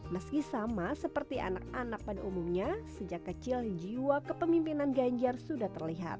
meski sama seperti anak anak pada umumnya sejak kecil jiwa kepemimpinan ganjar sudah terlihat